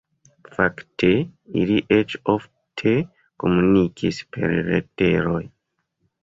Fakte, ili eĉ ofte komunikis per leteroj.